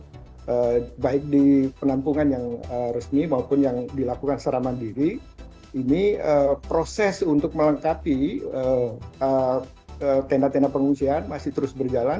jadi kita berharap bahwa tempat tempat pengungsian ini maupun yang dilakukan secara mandiri ini proses untuk melengkapi tena tena pengungsian masih terus berjalan